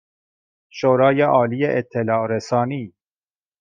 شورای عالی اطلاع رسانی